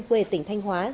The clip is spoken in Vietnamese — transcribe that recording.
quê tỉnh thanh hóa